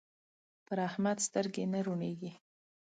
پر احمد سترګې نه روڼېږي.